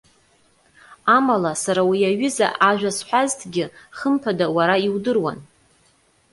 Амала, сара уи аҩыза ажәа сҳәазҭгьы, хымԥада, уара иудыруан.